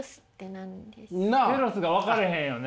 テロスが分からへんよね。